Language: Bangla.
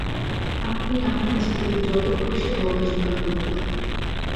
আপনি আপনার ছেলেকে যত খুশি বকাঝকা করতে পারেন।